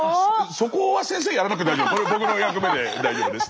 そこは先生やらなくて大丈夫です。